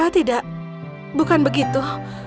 tidak bukan begitu